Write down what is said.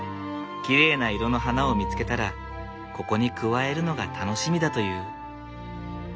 きれいな色の花を見つけたらここに加えるのが楽しみだという。